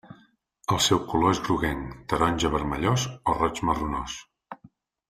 El seu color és groguenc, taronja vermellós o roig marronós.